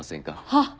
はっ？